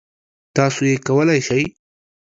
تاسو یې کولی شئ!